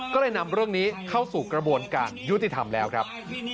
ก็เลยนำเรื่องนี้เข้าสู่กระบวนการยุติธรรมแล้วครับ